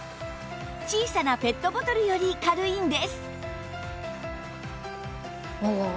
小さなペットボトルより軽いんです